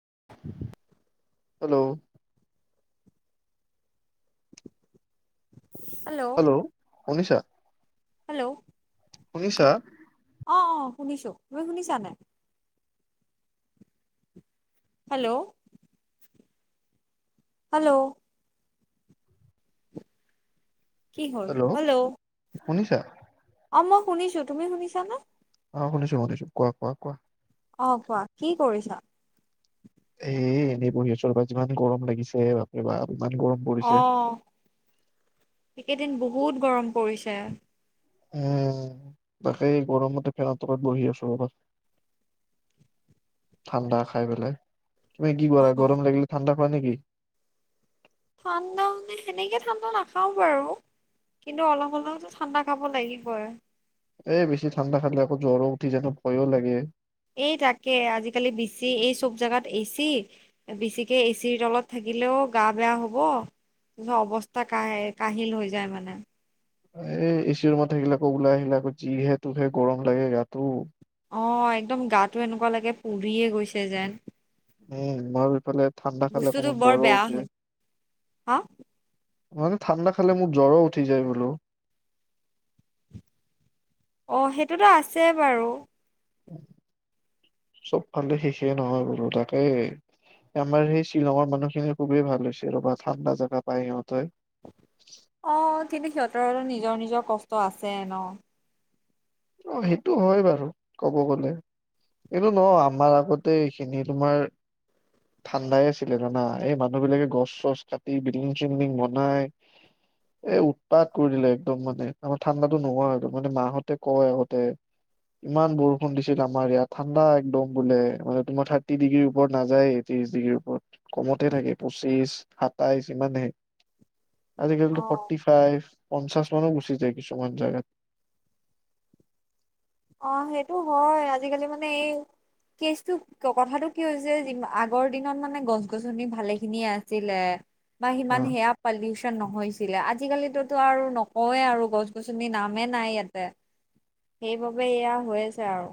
[unintelligible] Hello! Hello! শুনিছা? Hello! শুনিছা? অ অ শুনিছো, তুমি শুনিছা নাই? হেল্ল'! হেল্ল'! কি হল হেল্ল'! শুনিছা? অ মই শুনিছো, তুমি শুনিছানে? অ' শুনিছো, শুনিছো, কোৱা কোৱা কোৱা অ' কোৱা কি কৰিছা? এ এনেই বঢ়ি আছো ৰবা যিমান গৰম লাগিছে বাপৰেবাপ অ এইকেইদিন বহুত গৰম পৰিছে। উম, তাকেই গৰমতে ফেন তলত বহি আছো ৰবা ঠাণ্ডা খাই পেলাই তুমি কি অ কৰা, গৰম লাগিলে ঠাণ্ডা খোৱা নেকি? ঠাণ্ডা মানে সেনেকে ঠাণ্ডা নাখাও বাৰু। কিন্তু অলপ অলপতো ঠাণ্ডা খাব লাগিবই। এই বেছি ঠাণ্ডা খালে আকৌ জ্বৰো উঠি জানো ভয়ো লাগে। এই তাকে আজিকালি বেছি এই চব জোগাত এচি, বেছিকে এচিৰ তলত থাকি থাকিলেও গা বেয়া হব, অৱস্থা কাহ কাহিল হৈ যায় মানে। এ এচিৰ ৰুমত থাকিল আকৌ ওলাই আহিলা আকৌ যিহে তোহে গৰম লাগে গাতো। অ একদম গাটো এনেকুৱা লাগে পুৰিয়ে গৈছে যেন উম, মই ইফালে ঠাণ্ডা খালে বস্তুটো অকমান বৰ জ্বৰ বেয়া উঠে। হয় হা ইমানে ঠাণ্ডা খালে মোৰ জ্বৰো উঠি যায় বোলো অ সেইটোতো আছে বাৰু চবফালে শেষেই নহয় বলো তাকে আমাৰ সেই শ্বিলঙৰ মানুহখিনি খুবেই ভাল হৈছে ৰ'বা ঠাণ্ডা জাগা পায় সিহত অ' কিন্তু সিহঁতৰ নিজৰ নিজৰ কষ্ট আছে ন। অ' সেইটো হয় বাৰু ক'ব গলে। এইএ ন আমাৰ আগতে এইখিনি তোমাৰ ঠাণ্ডাই আছিলে জানা। এই মানুহ বিলাকে গছ চছ কাটি, বিল্ডিং চিলডিং বনাই, এ উৎপাত কৰি দিলে, একদম মানে আমাৰ ঠাণ্ডাতো নোহোৱা হৈ গ'ল মানে মাহতে কয় আগতে ইমান বৰষুণ দিছিল আমাৰ ইয়াত ঠাণ্ডা একদম বোলে মানে তোমাৰ থাৰ্টি ডিগ্ৰীৰ ওপৰত নাযায় তিচ ডিগ্ৰীৰ ওপৰত কমতে থাকে, পঁচিশ সাতাইশ ইমানহে। অ আজিকালিতো ফৰ্টি ফাইভ, পঞ্চাশ মানো গুচি যায় কিছুমান জাগাত অ সেইটো হয় আজিকালি মানে এই কেচটো কথাটো কি হৈছে আগৰ দিনত মানে গছ গছনি ভালে খিনিয়ে আছিলে বা হা সিমান সেয়া পালিউচন নহৈছিলে আজি আজিকালিতোতো নকওঁৱে আৰু গছ- গছনি নামেই নাই ইয়াতে সেইবাবে সবে এয়া হৈ আছে আৰু।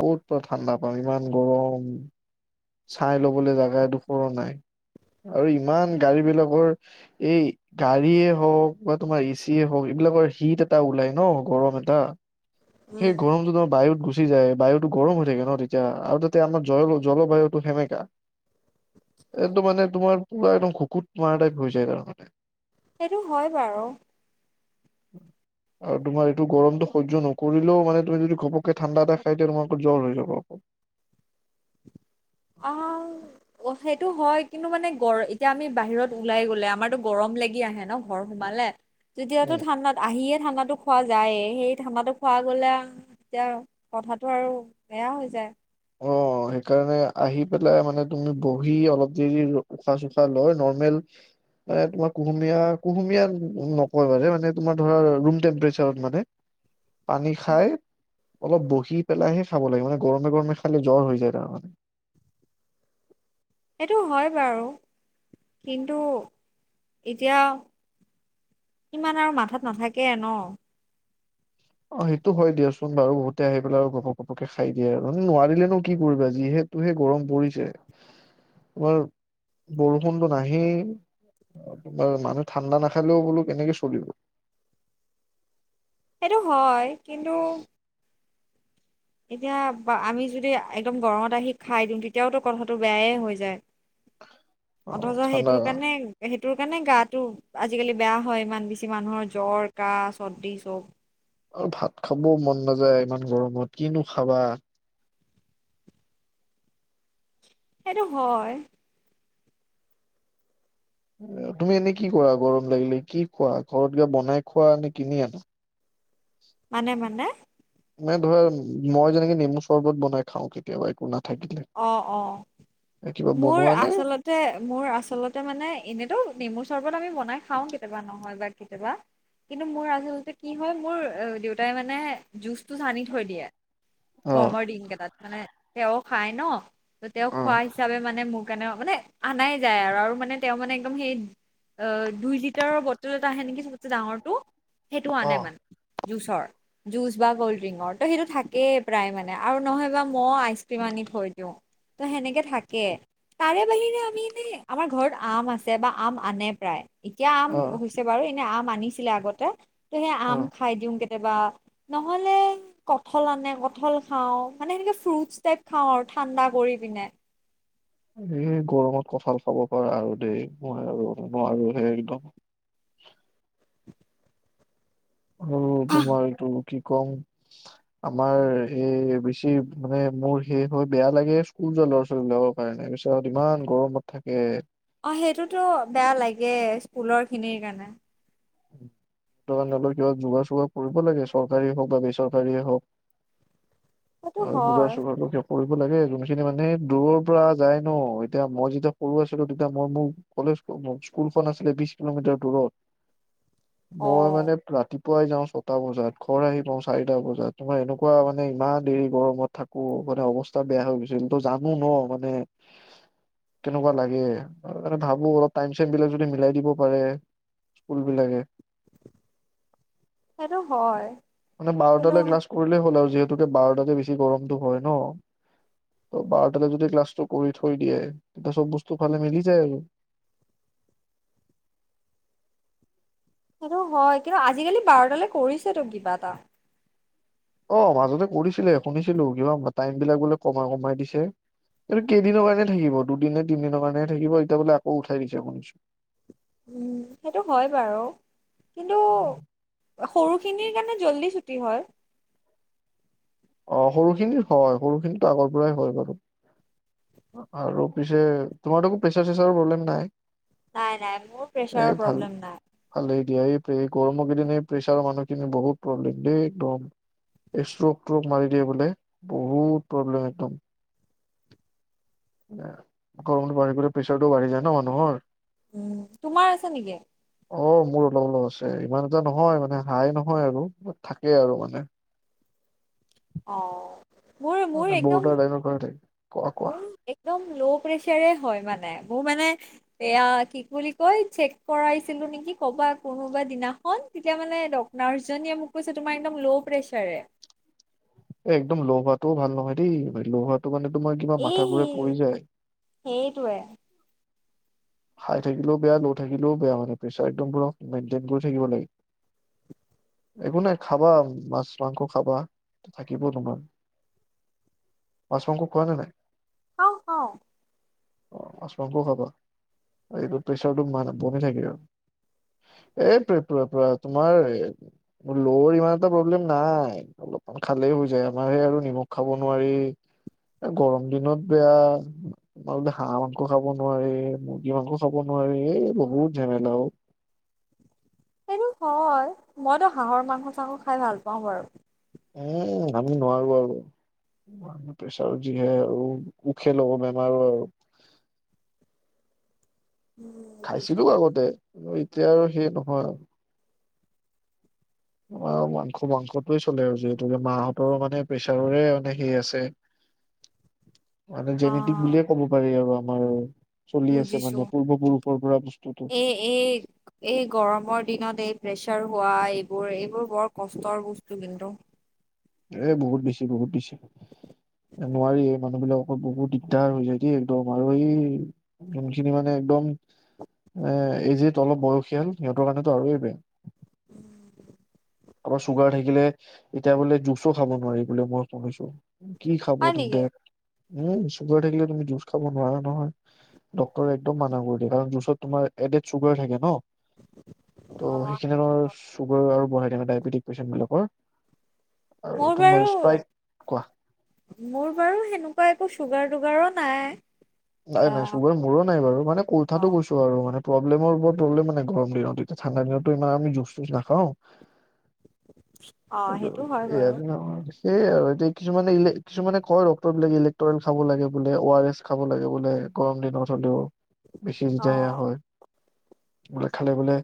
ক'ত বা ঠাণ্ডা পাম ইমান গৰম চাই ল'বলৈ জাগা এদুখৰো নাই আৰু ইমান গাড়ী বিলাকৰ এই গাড়ী হওক বা তোমাৰ এচিয়ে হওক বিলাকৰ হিট এটা ওলাই ন গৰম এটা সেই উম গৰমটো বায়ু। গুচি যায় বায়ুতটো গৰম হৈ থাকে ন তেতিয়া। আৰু তাতে আমাৰ জ জলবায়ুটো সেমেকা। একদম মানে তোমাৰ পুৰা একদম খুকুত মাৰা টাইপ হৈ যায় তাৰমানে সেইটো হয় বাৰু [inaudible] আৰু তোমাৰ এইটো গৰমটো সজ্য নকৰিলেও মানে তুমি যদি ঘপকে ঠাণ্ডা এটা খাই দিয়া তোমাৰ আকৌ জ্বৰ হৈ যাব [unintelligible] অ সেইটো হয় কিন্তু মানে গ এতিয়া আমি বাহিৰত ওলাই গলে আমাৰতো গৰম লাগি আহে ন ঘৰ সোমালে। তেতিয়াতো উম ঠাশুাত আহিয়ে ঠাণ্ডা খোৱা যায় সেই ঠাণ্ডা খুৱোৱা গলে তেতিয়া কথাতটো আৰু বেয়া হৈ যায়। অ সেইকাৰণে আহি পেলাই মানে তুমি বহি অলপ দেৰি উশাহ- চোশাহ লৈ ন নমেল মানে তোমাৰ কুহুমীয়া কুহুমীয়া নকয় মানে তোমাৰ ধৰা ৰুম টেম্পেচাৰত মানে পানী খাই অলপ বহি পেলাইহে খাব লাগে মানে গৰমে, গৰমে। খালি জ্বৰ হৈ যায় ত মানে। সেইটো হয় বাৰু। কিন্তু এতিয়া ইমান আৰু মাথাত নাথাকে ন অ সেইটো হয় দিয়াচোন বাৰু বহুতে আহি পেলাই আৰু ঘপক পপকে খাই দিয়ে আৰু, নোৱাৰিলে নো কি কৰিবা যিহে, সটোহে গৰম পৰিছে তোমাৰ, বৰষুণটো নাহেই তোমাৰ মানুহ ঠাণ্ডা নাখালেও বোলো কেনেকে চলিব। সেইটো হয় কিন্তু এতিয়া আমি যদি একদম গৰমত আহি খাই দিওঁ তেতিয়াওতো কথাটো বেয়াই হৈ যায় [unintelligible] অথচ ঠাণ্ডা সেইটোৰ কাৰণে, সেতোৰ কাৰণে গাটো আজিকালি বেয়া হয় ইমান বেছি মানুহৰ জ্বৰ কাহ চৰ্দি চব আৰু ভাত খাবও মন নাযায় ইমান গৰমত কিনো খাবা সেইটো হয়। তুমি এনেই কি কৰা গৰম লাগিলে, কি খোৱা ঘৰত গ বনাই খোৱা নে কিনি আন? মানে মানে। মানে ধৰা মই যেনেকে নেমু চৰ্বত বনাই খাও কেতিয়াবা একো ন অ অ কিবা মোৰ বনোৱা নে? আচলতে মোৰ আচলতে মানে এনেতো নেমুচ। চৰ্বত আমি বনাই খাওঁ কেতিয়াবা নহয় বা কেতিয়াবা। কিন্তু মোৰ আজিলৈকে কি হয় মোৰ দেউতাই মানে জুচটো চানি থৈ দিয়ে অ', গৰমৰ দিন কেইটাত মানে তেওঁ খাই ন ত তেওঁ খোৱা অ'। হিচাপে মানে মোক। কাৰণে মানে আনাই যায় আৰু আৰু মানে তেওঁ মানে একদম সেই অ দুই লিটাৰৰ বটল এটা আহে নেকি চবতে ডাঙৰটো সেইটো আ নাই অ', মানে। জুচৰ জুচ বা কল্ড ড্ৰিংকৰ ত' সেইটো থাকেই প্ৰায় মানে আৰু নহয়বা মই আইচ আনি থৈ দিওঁ ত সেনেকে থাকে। তাৰে বাহিৰে আমি ন আমাৰ ঘৰত আম আছে বা আম আনে প্ৰায়। এতিয়া আম অ', হৈছে বাৰু এনে আম আনিছিলে আগতে ত সেই আম অ'। খাই দিওঁ কে কেতিয়াবা নহ'লে কঠল আনে কঠল খাওঁ মানে সেনেকে ফ্ৰুট টাইপ খাওঁ আৰু ঠাণ্ডা কৰি পিনে। এই গৰমত কঠা‍ঁল খাব পাৰা আৰু দেই মই আৰু নোৱাৰো সে একদম। অ তোমাৰটো। কি কম আমাৰ এই বেছি মানে মোৰ সেই হৈ বেয়া লাগে। ল'ৰা-ছোৱালীবলাকৰ কাৰণে ত পিছত ইমান গৰমত থাকে। অ সেইটোতো বেয়া লাগে স্কুলৰ খিনিৰ কাৰণে। উম। কিবা যোগা চোগা কৰিব লাগে চৰকাৰীয়ে হওক বা বেচৰকাৰীয়ে হওক। সেইটো আৰু দুগাৰ হয় চোগাৰটো। কৰিব লাগে যোনখিনি মানে দূৰৰ পৰা যায় ন এতিয়া মই যেতিয়া সৰু আছিলো তেতিয়া মই মোৰ ক স্কুলখন আছিলে বিশ কিলোমিটাৰ দূৰত। অ মই মানে ৰা পুৱাই যাওঁ ছটা বজাত, ঘৰ আহি পাওঁ চাৰিটা বজাত, তোমাৰ এনেকুৱা মানে ইমান দেৰি গৰমত থাকো। হে অৱস্থা বেয়া হৈ গৈছোঁ তো জানো ন মানে। তেনেকুৱা লাগে ভাবো অলপ টাইম চাইম বিলাক যদি মিলাই দিব পাৰে। বিলাকে সেইটো হয়। মানে কিন্তু বাৰটালৈ ক্লাছ কৰিলেই হ'ল আৰু যিহেতুকে বাৰটাতে বেছি গৰমতটো হয় ন? বাৰটাতে যদি ক্লাছটো কৰি থৈ দিয়ে তেতিয়া চব বস্তু ফালে মিলি যায় আৰু [inaudible] সেইটো হয় কিন্তু আজিকালি বাৰটালৈ কৰিছেতো কিবা এটা। অ মাজতে কৰিছিলে শুনিছিলো কিয় টাইম বিলাক বোলে কমাই কমাই দিছে। এইটো কেইদিনৰ কাৰণে থাকিব দুদিনে তিনদিনৰ কাৰণে সে থাকিব। এতিয়া বোলে আকৌ উঠাই দিছে শুনিছোঁ। [unintelligible] উম সেইটো হয় বাৰু কিন্তু সৰু- খিনিৰ কাৰণে জল্দি ছুটি হল। অঁ সৰুখিনি হয় সৰুখিনিতো আগৰ পৰাই হয় বাৰু। [unintelligible] আৰু পিছে তোমাৰটো একো প্ৰেচাৰ চেচাৰ প্ৰব্লেম নাই। নাই নাই মোৰ প্ৰেচাৰৰ এই ভাল, প্ৰব্লেম নাই ভালেই দিয়া এই। এই গৰম কেইদিননে প্ৰেছাৰৰ মানুহখিনি বহুত প্ৰব্লেম দেই একদম এক্। তোক মাৰি দিয়ে বোলে বহুত প্ৰব্লেম একদম। গৰমত বাঢ়ি গলে প্ৰেছাৰতটো বাঢ়ি যায় ন মানুহৰ। উম তোমাৰ আছে নেকি? অ মোৰ অলপ অলপ আছে ইমান এটা নহয় মানে হাই নহয় আৰু থাকেই আৰু মানে। [inaudible] অঁ। মোৰ মোৰ একদম, বৰ্ডাৰ লাইনৰ কথা থাকে কোৱা কোৱা মোৰ একদম ল' প্ৰেচাৰে হয় মানে। মোৰ মানে এয়া কি বোলি কয় চেক কৰাইছিলো নেকি কবা কোনোবা দিনা- [unintelligible] ন তেতিয়া মানে ডক্টৰ নাৰ্ছজনীয়ে মোক কৈছে তোমাৰ একদম ল' প্ৰেচাৰে এ একদম লহোৱাটোও ভাল নহয় দেই লোহ [unintelligible] তটো কাৰানে তোমাৰ কিবা মাথা এই ঘুৰাই পৰি যায়। সেইটোৱে [unintelligible] হাই থাকিলেও বেয়া ল' থাকিলেও বেয়া মানে প্ৰেছাৰ একদম ধৰক মেইনটেইন কৰি থাকিব লাগে। [unintelligible] একো নাই খাবা মাছ মাংস খাবা থাকিব তোমাৰ। মাছ মাংস [unintelligible] কোৱা যে নাই। [unintelligible] খাও খাও [unintelligible] অ মাছ মাংসও খাবা আৰু এইটো প্ৰেছাৰটো কমি থাকে আৰু [unintelligible] এই তোমাৰ ল'ৰ ইমান এটা প্ৰব্লেম নাই অলপ খালেই হৈ যায় আমাৰ সেই আৰু নিমখ খাব নোৱাৰি। এ গৰম দিনত বেয়া তোমাৰ বোলে হাঁহ মাংস খাব নোৱাৰি। সিমানকো চাব নোৱাৰি এ বহুত ঝেমেলা অও। সেইটো হয় মইতো হাঁহৰ মাংস চাং খাই ভাল পাওঁ বাৰু। [unintelligible] এ আমি নোৱাৰো আৰু। ব্ প্ৰেছাৰ যিহে উখেল বেমাৰ [unintelligible] উম, খাইছিলো বুজিছো। আগতে আৰু এতিয়া আৰু সেই নহয় আৰু। অ মাংস মাংসটোৱে চলে আৰু যিহেতু মাহঁতৰ মানে প্ৰেছাৰৰে মানে সেই আছে। মানে অ জেনেতিক বুলিয়ে ক'ব পাৰি আৰু আমাৰ। [unintelligible] আছে মানে বুজিছো। পূৰ্বপুৰুষৰ পৰা বস্তুটো এই এই এই গৰমৰ দিনত এই প্ৰেচাৰ- হোৱা এইবোৰ, এইবোৰ বৰ কষ্টৰ বস্তু কিন্তু এ বহুত বেছি, বহুত বেছি। নোৱাৰিয়ে মানুহ বিলাক বহুত দিগদাৰ হৈ যায় দেই একদম আৰু এই যোনখিনি মানে একদম। এ এই যিহেতু অলপ বয়সীয়াল সিহঁতৰ কাৰণেতো আৰু এই বেয়া আমাৰ চুগাৰ থাকিলে এতিয়া বোলে জুচো খাব নোৱাৰি ব মই শুনিছো। কি খাব হয় নেম নেকি দে উম চুগাৰ থাকিলে তুমি জুচ খাব নোৱাৰা নহয়। ডক্টৰে একদম মানা কৰি দিয়ে কাৰণ জুচত তোমাৰ এডেড চুগাৰ থাকে ন [unintelligible] ত' অ সেইখিন চুগাৰ আৰু বঢ়াই থাকে ডায়বেটিক পেচেণ্টবিলাকৰ। [unintelligible] মোৰ বাৰু মোৰ বাৰু সেনেকুৱা একো চুগাৰ টোগাৰত- [unintelligible] নাই। নাই নাই আহ চুগাৰ মোৰো নাই বাৰু মানে অ পৰীক্ষাটো কৰিছো আৰু মানে- প্ৰব্লেমৰ ওপৰত ৰ'লে মানে গৰম দিনত এতিয়া ঠাণ্ডা দিনতো ইমান আমি জুচ চুচ নাখাও। অ সেইটো হয় [unintelligible] বাৰু এইয়াত ন [unintelligible] সেইয়া আৰু এতিয়া কিছুমানে কিছুমানে কয় ডক্তৰ বিলাকে ইলেক্টল খাব লাগে বোলে অ' আৰ এছ খাব লাগে। লে গৰম দিনত হ'লেও বেছি অ [unintelligible] হয়। বোলে খালে বোলে-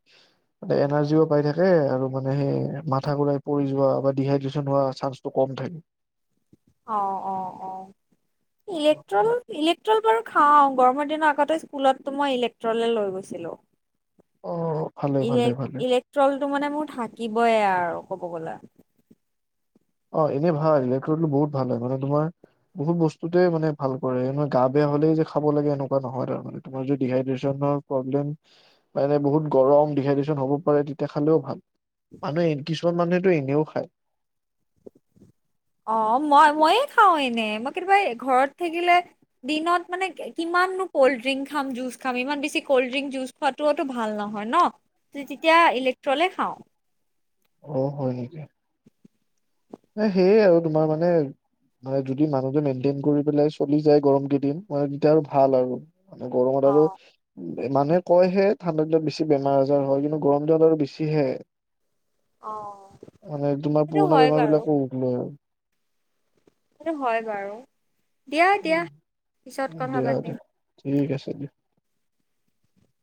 [unintelligible] এনাৰ্জিও পাই থাকে আৰু মানে সেই মাথা ঘুৰাই পৰি যোৱা বা ডিহাইড্ৰেচন হোৱা চান্সটো কম থাকে। [inaudible] অ অ অ ইলেক্ট্ৰল, ইলেক্ট্ৰল বাৰু। খাওঁ গৰমৰ দিনৰ আগতে স্কুলতো মই ইলেক্ট্ৰলে লৈ গৈছিলো। অ'। ভালে ইলে ভালে ভালে ইলেক্ট্ৰলটো মানে মোৰ থাকিবই আৰু কব গলে। অ এনেই ভাল ইলেকট্ৰলটো বহুত ভাল হয় মানে তোমাৰ বহুত বস্তুতেই মানে ভাল কৰে। মানে গা বেয়া হ'লেই যে খাব লাগে এনেকুৱা নহয় তাৰ মানে তোমাৰ যদি ড্ৰিহাইড্ৰেচন মানে বহুত গৰম ডিহাইড্ৰেচন হ'ব পাৰে তেতিয়া খালেও ভাল। মানুহে কিছুমান মানুহেতো এনেও খায়। অ মই মইয়ে খাওঁ এনে মই কেতিয়াবা ঘৰত থাকিলে দিনত মানে কিমান ননো কল্ড ড্ৰিংক খাম, জুচ খাম ইমান বেছি কল্ড ড্ৰিংক জুচ খোৱাতোও তো ভাল নহয় ন। তু তেতিয়া ইলেক্ট্ৰলে খাওঁ। অ হয় নেকি? এ সেয়ে আৰু তোমাৰ মানে মানে যদি মানুহটোৱে মেইনটেইন কৰি পেলাই চলি যায় গৰম কেইদিন মানে তেতিয়া আৰু ভাল আৰু। মানে গৰমত অ আৰু উম। মানুহে কয়হে ঠাণ্ডা দিনত বেছি বেমাৰ আজাৰ হয়। কিন্তু গৰম দিনত আৰু বেছিহে। অ মানে তোমাৰ সেইটো পুৰণা হয় বেমাৰ বাৰু বিলাকো উগ লয়। সেইটো হয় বাৰু দিয়া দিয়া আৰু পিছত কথা দিয়া দিয়া পাতিম। [unintelligible]